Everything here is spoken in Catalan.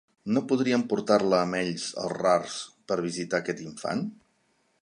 No podrien portar-la amb ells els rars per visitar aquest infant?